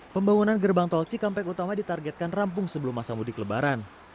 pembangunan gerbang tol cikampek utama ditargetkan rampung sebelum masa mudik lebaran